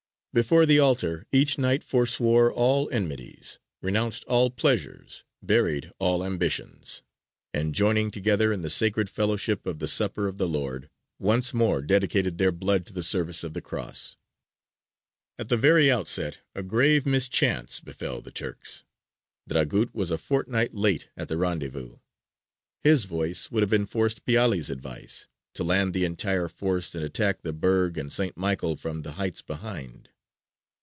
Before the altar each Knight foreswore all enmities, renounced all pleasures, buried all ambitions; and joining together in the sacred fellowship of the Supper of the Lord, once more dedicated their blood to the service of the Cross. At the very outset a grave mischance befell the Turks; Dragut was a fortnight late at the rendezvous. His voice would have enforced Piāli's advice, to land the entire force and attack the Burg and St. Michael from the heights behind.